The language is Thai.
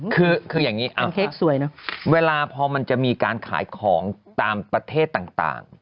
คือคืออย่างงี้อ่ะสวยเนอะเวลาพอมันจะมีการขายของตามประเทศต่างต่าง